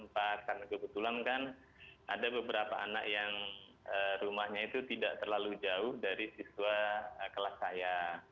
karena kebetulan kan ada beberapa anak yang rumahnya itu tidak terlalu jauh dari siswa kelas saya